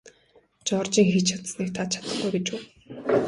Жоржийн хийж чадсаныг та чадахгүй гэж үү?